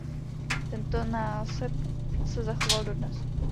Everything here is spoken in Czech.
Tento násep se zachoval dodnes.